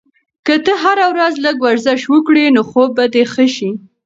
که ته هره ورځ لږ ورزش وکړې، نو خوب به دې ښه شي.